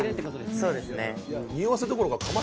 そうですね。